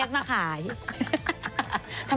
นุ้ยวางละพีเวลาแล้วนุ้ยก็ยืดอีกสักหน่อยได้ป่ะ